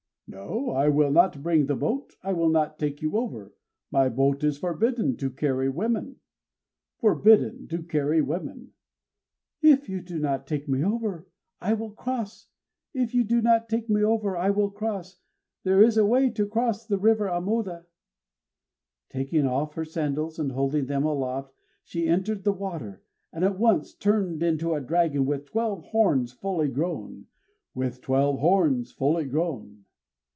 "No, I will not bring the boat; I will not take you over: my boat is forbidden to carry women! "Forbidden to carry women!" "If you do not take me over, I will cross! if you do not take me over, I will cross! there is a way to cross the river of Amoda!" Taking off her sandals and holding them aloft, she entered the water, and at once turned into a dragon with twelve horns fully grown, _With twelve horns fully grown.